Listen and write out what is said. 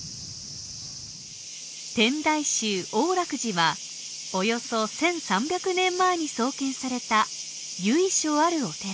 天台宗王樂寺はおよそ１３００年前に創建された由緒あるお寺。